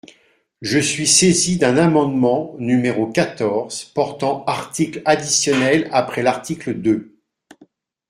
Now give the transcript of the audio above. Je suis saisie d’un amendement, numéro quatorze, portant article additionnel après l’article deux.